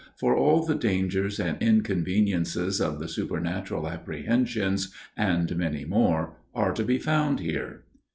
for all the dangers and inconveniences of the supernatural apprehensions, and many more, are to be found here."